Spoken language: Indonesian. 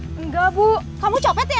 unten ibu maaf maaf permisi